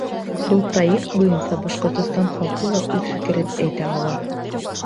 Был проект буйынса Башҡортостан халҡы ла үҙ фекерен әйтә ала.